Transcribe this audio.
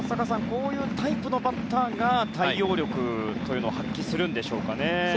こういうタイプのバッターが対応力というのを発揮するんでしょうかね。